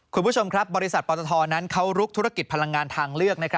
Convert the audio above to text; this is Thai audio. คุณผู้ชมครับบริษัทปตทนั้นเขาลุกธุรกิจพลังงานทางเลือก